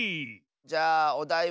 じゃあおだいは「ほ」。